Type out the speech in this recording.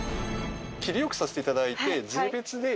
切りよくさせていただいて税別で。